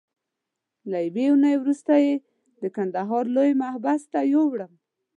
له یوې اونۍ وروسته یې د کندهار لوی محبس ته یووړم.